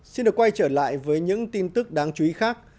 xin được quay trở lại với những tin tức đáng chú ý khác